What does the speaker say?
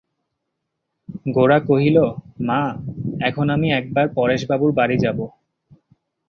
গোরা কহিল, মা, এখন আমি একবার পরেশবাবুর বাড়ি যাব।